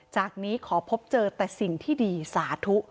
จากนี้ขอพบเจอแต่สิ่งที่ดีสาธุ